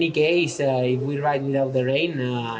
jika kita berlari tanpa hujan